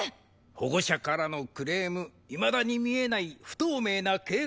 保護者からのクレームいまだに見えない不透明な計画の全容。